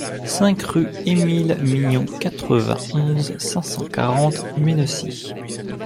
cinq rue Émile Mignon, quatre-vingt-onze, cinq cent quarante, Mennecy